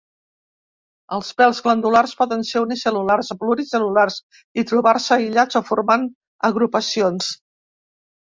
Els pèls glandulars poden ser unicel·lulars o pluricel·lulars i trobar-se aïllats o formant agrupacions.